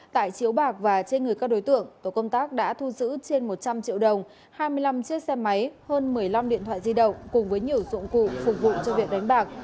tại chiếu bạc và trên người các đối tượng tổ công tác đã thu giữ trên một trăm linh triệu đồng hai mươi năm chiếc xe máy hơn một mươi năm điện thoại di động cùng với nhiều dụng cụ phục vụ cho việc đánh bạc